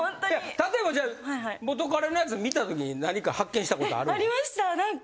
例えばじゃあ元彼のやつ見た時に何か発見した事あるんですか？